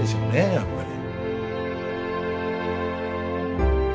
やっぱり。